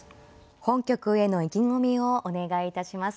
本局への意気込みをお願いいたします。